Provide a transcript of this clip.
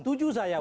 setuju saya bang